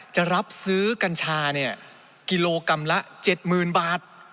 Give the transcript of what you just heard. จะรับซื้อกัญชากิโลกรัมละ๗๐๐๐บาท